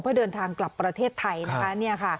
เพื่อเดินทางกลับประเทศไทยนะคะ